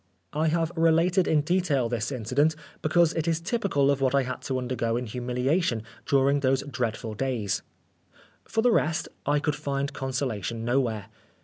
I have related in detail this incident because it is typical of what I had to under go in humiliation during those dreadful 144 Oscar Wilde days. For the rest, I could find consolation nowhere.